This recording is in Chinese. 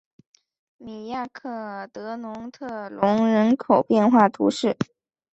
米亚克德农特龙人口变化图示